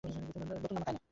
কোন বিমান ধ্বংস করবে?